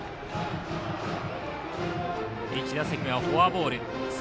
１打席目はフォアボール。